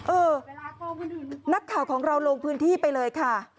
เออนักข่าวของเราลงพื้นที่ไปเลยค่ะ